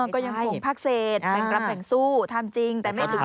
ก็ยังคงพักเศษแบ่งรับแบ่งสู้ทำจริงแต่ไม่ถึง